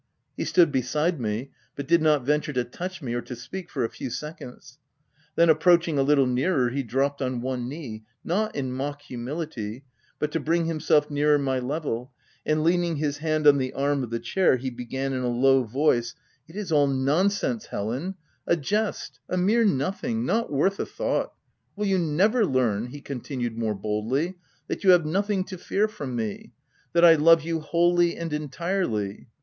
He stood beside me, but did not venture to touch me or to speak, for a few seconds ; then approaching a little nearer, he dropped on one knee — not in mock humility, but to bring himself nearer my level, and leaning his hand on the arm of the chair, he began in a low voice — 1S8 THE XENANT '• It is all nonsense, Helen — a jest, a mere nothing — not worth a thought. Will you never learn V he continued more boldly, " that you have nothing to fear from me ? that I love you wholly and entirely